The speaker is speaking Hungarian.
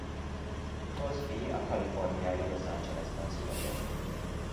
Crosby a kaliforniai Los Angelesben született.